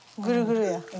グルグルや。